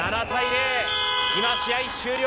今、試合終了。